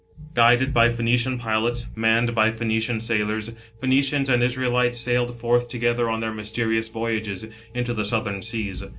Guided by Phoenician pilots, manned by Phoeni cian sailors, Phoenicians and Israelites sailed forth together on their mysterious voyages, into the southern seas.